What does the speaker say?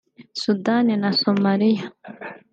Sudani na Somalia